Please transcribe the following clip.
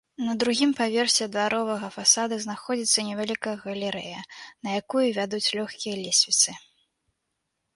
На другім паверсе дваровага фасада знаходзіцца невялікая галерэя, на якую вядуць лёгкія лесвіцы.